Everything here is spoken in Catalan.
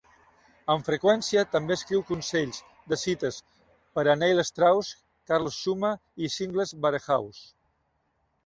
Amb freqüència també escriu consells de cites per a Neil Strauss, Carlos Xuma i Singles Warehouse.